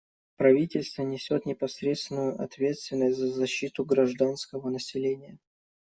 Правительство несет непосредственную ответственность за защиту гражданского населения.